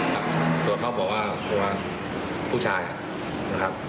หรือว่าเขาบอกว่าเพราะว่าผู้ชายอ่ะนะครับ